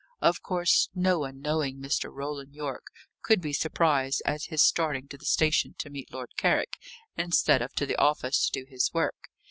Of course, no one, knowing Mr. Roland Yorke, could be surprised at his starting to the station to meet Lord Carrick, instead of to the office to do his work.